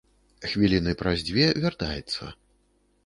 Хвіліны праз дзве вяртаецца.